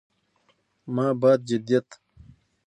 ما بعد جديديت